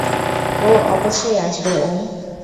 ও অবশ্যই আসবে ওম।